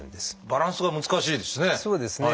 バランスが難しいですね。